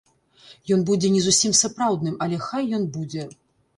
Ён будзе не зусім сапраўдным, але хай ён будзе.